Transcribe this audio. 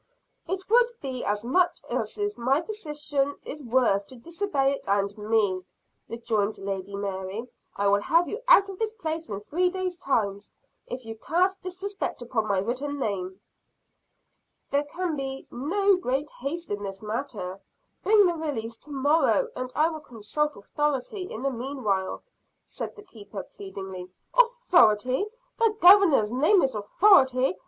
"It would be as much as my position is worth to disobey it and me!" rejoined Lady Mary. "I will have you out of this place in three days' time, if you cast disrespect upon my written name." "There can be no great haste in this matter. Bring the release tomorrow, and I will consult authority in the meanwhile," said the keeper pleadingly. "Authority? The Governor's name is authority!